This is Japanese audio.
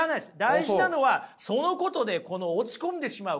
大事なのはそのことで落ち込んでしまう。